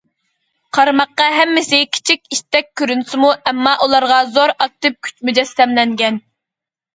قارىماققا ھەممىسى كىچىك ئىشتەك كۆرۈنسىمۇ، ئەمما ئۇلارغا زور ئاكتىپ كۈچ مۇجەسسەملەنگەن.